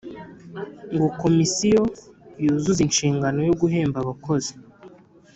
ngo Komisiyo yuzuze inshingano yo guhemba abakozi